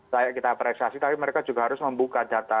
layak kita apresiasi tapi mereka juga harus membuka data